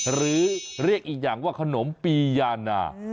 หรือเรียกอีกอย่างว่าขนมปียานา